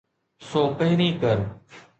سو پهرين ڪر.